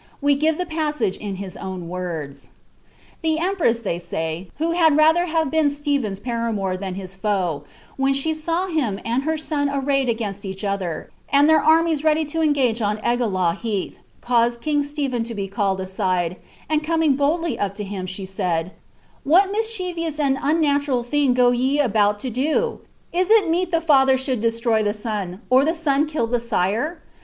We give the passage in his own words :—^ The empress, they say, who had rather have been Stephen's para mour than his foe, when she saw him and her son arrayed against each other, and their armies ready to engage on Egilaw Heath, caused king Stephen to be called aside, and coming boldly up to him, she said^ —^^ What mischievous and unnatural thing go ye about to do ? Is it meet the &ther should destroy the son, or the son kill the sire